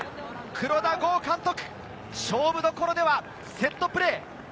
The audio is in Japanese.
黒田剛監督、勝負どころではセットプレー。